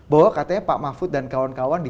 bahwa katanya pak mahfud dan kawan kawan di